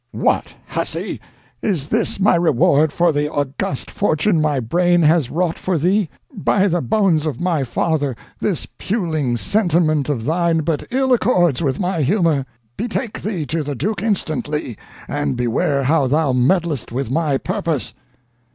"What, hussy! Is this my reward for the august fortune my brain has wrought for thee? By the bones of my father, this puling sentiment of thine but ill accords with my humor. "Betake thee to the duke, instantly, and beware how thou meddlest with my purpose!"